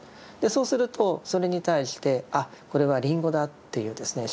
そうするとそれに対して「あっこれはリンゴだ」っていうですね